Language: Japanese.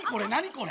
これ。